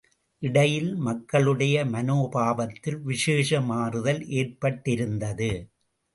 இடையில் மக்களுடைய மனோபாவத்தில் விசேஷ மாறுதல் ஏற்பட்டிருந்தது.